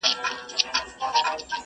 جهاني څه ویل رویبار په ماته، ماته ژبه،